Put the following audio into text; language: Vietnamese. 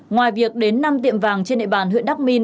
ngoài việc đến năm tiệm vàng trên nệ bàn huyện đắk minh